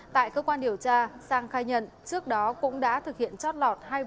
tại cơ quan điều tra sang khai nhận trước đó cũng đã thực hiện chót lọt